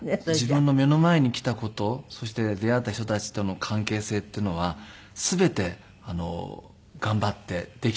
自分の目の前に来た事そして出会った人たちとの関係性っていうのは全て頑張ってできたかなって。